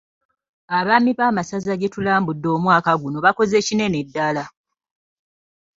Abaami b'amasaza gye tulambudde omwaka guno bakoze kinene ddala.